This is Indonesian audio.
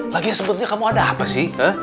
lagi sebetulnya kamu ada apa sih